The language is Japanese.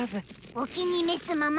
お気に召すまま。